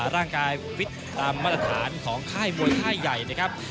ร่างกายฟิตตามมาตรฐานของค่ายมวยค่ายใหญ่นะครับ